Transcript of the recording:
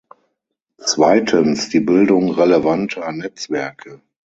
Zweitens, die Bildung relevanter Netzwerke.